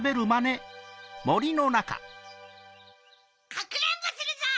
かくれんぼするゾウ！